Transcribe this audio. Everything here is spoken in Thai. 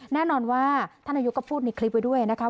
แน่นอนว่าท่านนายกก็พูดในคลิปไว้ด้วยนะคะ